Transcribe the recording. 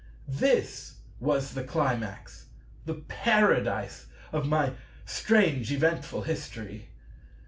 This was the Climax, the Paradise, of my strange eventful History.